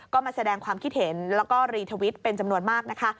ก็มาแสดงความคิดเห็นแล้วก็รีทวิตเป็นจำนวนมากนะคะ